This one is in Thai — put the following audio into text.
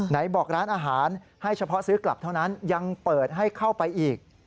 ไหนบอกร้านอาหารให้เฉพาะซื้อกลับเท่านั้นยังเปิดให้เข้าไปอีก